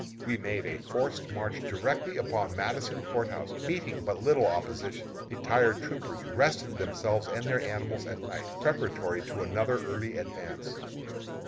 We made a forced march directly upon Madison Court House, meeting but little opposition. The tired troopers rested themselves and their animals at night, preparatory to another early advance.